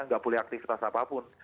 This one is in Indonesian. nggak boleh aktivitas apapun